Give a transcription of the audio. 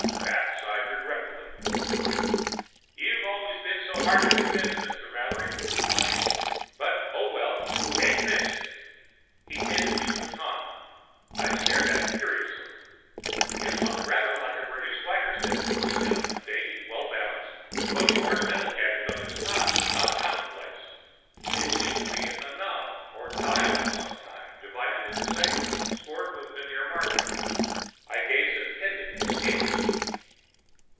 Pat sighed regretfully. "You're always so hard to convince, Mr. Mallory," he complained. "But—oh, well! Take this." He handed me the baton. I stared at it curiously. It looked rather like a British swagger stick: slim, dainty, well balanced. But the ornamental gadget at its top was not commonplace. It seemed to be a knob or a dial of some kind, divided into segments scored with vernier markings. I gazed at Pending askance.